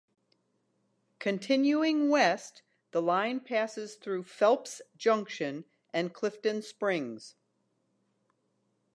Continuing west, the line passes through Phelps Junction and Clifton Springs.